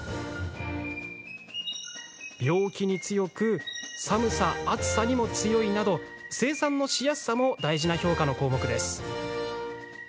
病気に強く暑さ寒さにも強いなど生産のしやすさも大事な評価の項目です。